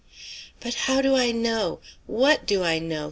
"But how do I know? What do I know?"